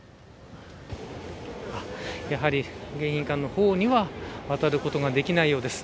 やはり、迎賓館の方には渡ることができないようです。